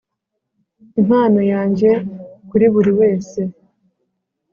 impano yanjye kuri buriwese.